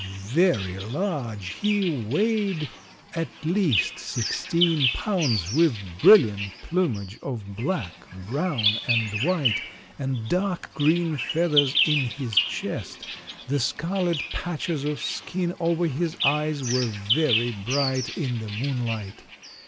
Very large, he weighed at least sixteen pounds, with brilliant plumage of black, brown and white, and dark green feathers in his chest. The scarlet patches of skin over his eyes were very bright in the moonlight.